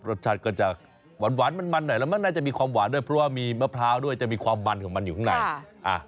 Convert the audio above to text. รสชาติก็จะหวานมันหน่อยแล้วมันน่าจะมีความหวานด้วยเพราะว่ามีมะพร้าวด้วยจะมีความมันของมันอยู่ข้างใน